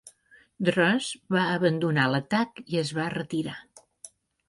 Drus va abandonar l'atac i es va retirar.